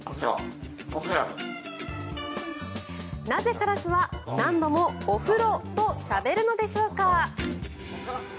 なぜ、カラスは何度もお風呂としゃべるのでしょうか。